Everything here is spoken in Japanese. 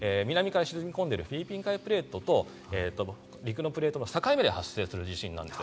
南から沈み込んでいるフィリピン海プレートと、陸のプレートの境目で発生する地震なんです。